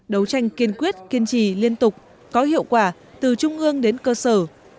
đấu tranh kiên quyết kiên trì liên tục có hiệu quả từ trung ương đến cơ sở